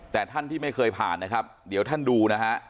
แต่ท่านที่ไม่เคยผ่านนะครับเดี๋ยวท่านดูนะฮะ